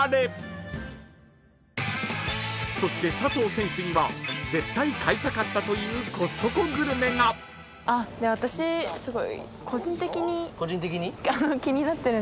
［そして佐藤選手には絶対買いたかったというコストコグルメが］どれですか？